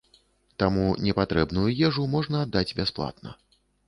Таму непатрэбную ежу можна аддаць бясплатна.